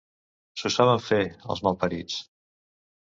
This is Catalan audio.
S'ho saben fer, els malparits!